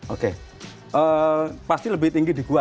oke pasti lebih tinggi di gua